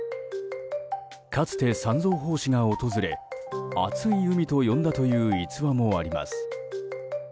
かつて三蔵法師が訪れ熱海と呼んだという逸話もあります。